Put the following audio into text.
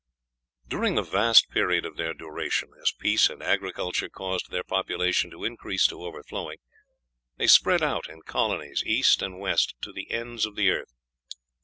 During the vast period of their duration, as peace and agriculture caused their population to increase to overflowing, they spread out in colonies east and west to the ends of the earth.